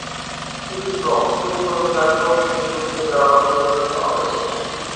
ছুরির রক্তের সঙ্গে তাঁর কবজিতে শুকিয়ে যাওয়া রক্তের মিল পাওয়া গেছে।